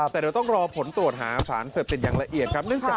แต่เดี๋ยวต้องรอผลตรวจหาสารเสพติดอย่างละเอียดครับ